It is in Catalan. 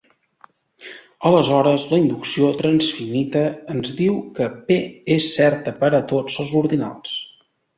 Aleshores la inducció transfinita ens diu que P és certa per a tots els ordinals.